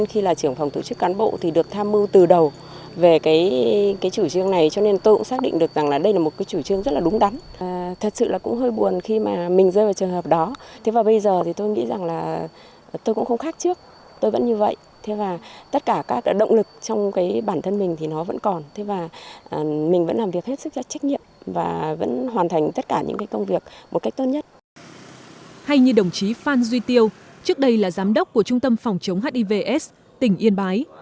hay như đồng chí phan duy tiêu trước đây là giám đốc của trung tâm phòng chống hivs tỉnh yên bái